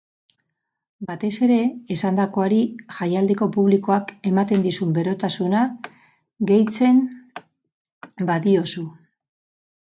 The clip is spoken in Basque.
Batez ere, esandakoari jaialdiko publikoak ematen dizun berotasuna gehitzen badiozu.